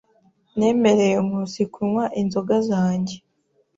Nemereye Nkusi kunywa inzoga zanjye.